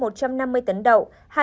một trăm năm mươi tấn đậu